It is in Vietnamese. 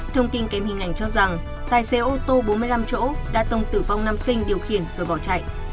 thông tin kèm hình ảnh cho rằng tài xế ô tô bốn mươi năm chỗ đã tông tử vong nam sinh điều khiển rồi bỏ chạy